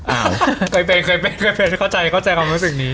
อ้าวเคยเป็นเคยเข้าใจคำว่าสิ่งนี้